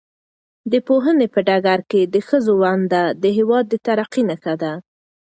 د پوهنې په ډګر کې د ښځو ونډه د هېواد د ترقۍ نښه ده.